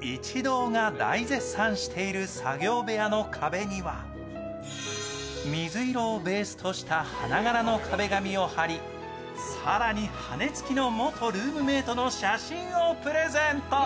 一同が大絶賛している作業部屋の壁には水色をベースとした花柄の壁紙を貼り更に羽根つきの元ルームメイトの写真をプレゼント。